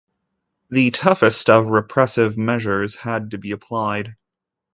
The toughest of repressive measures had to be applied.